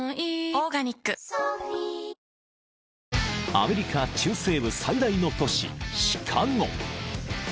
［アメリカ中西部最大の都市シカゴ］